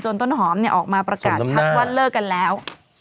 ต้นหอมออกมาประกาศชัดว่าเลิกกันแล้ว